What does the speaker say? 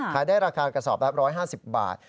ได้ราคากระสอบละ๑๕๐บาท